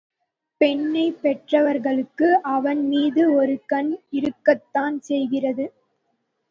பெண்ணைப் பெற்றவர்களுக்கு அவன் மீது ஒரு கண் இருக்கத்தான் செய்கிறது.